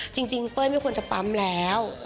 เป้ยไม่ควรจะปั๊มแล้ว